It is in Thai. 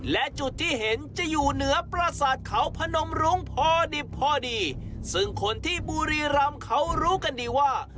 และจุดที่เห็นจะอยู่เหนือประสาทเขาพนมรุ้งพอดิบพอดีซึ่งคนที่บุรีรำเขารู้กันดีว่า